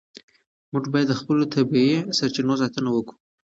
موږ باید د خپلو طبیعي سرچینو ساتنه وکړو.